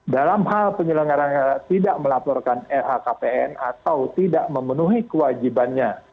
dalam hal penyelenggaraan tidak melaporkan lhkpn atau tidak memenuhi kewajibannya